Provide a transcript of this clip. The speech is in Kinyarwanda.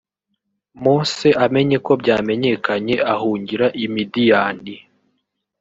Mose amenye ko byamenyekanye ahungira i Midiyani